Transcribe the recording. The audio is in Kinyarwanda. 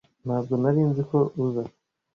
Ntabwo nari nzi ko uza.